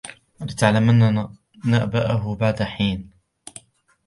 وَلَتَعْلَمُنَّ نَبَأَهُ بَعْدَ حِينٍ